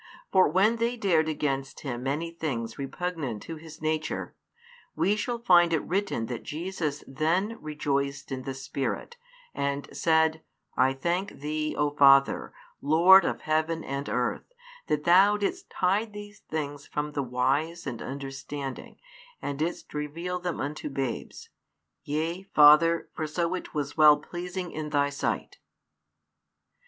For when they dared against Him many things repugnant to His nature, we shall find it written that Jesus then rejoiced in the Spirit, and said, I thank Thee, O Father, Lord of heaven and earth, that Thou didst hide these things from the wise and understanding, and didst reveal them unto babes: yea, Father, for so it was well pleasing in Thy sight.